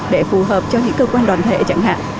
để phù hợp cho những cơ quan đoàn thể chẳng hạn